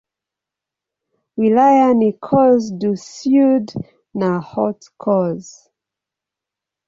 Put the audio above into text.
Wilaya ni Corse-du-Sud na Haute-Corse.